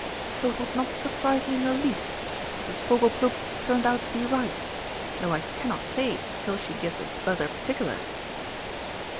So it would not surprise me in the least if Mrs. Fogleplug turned out to be right, though I cannot say till she gives us further particulars."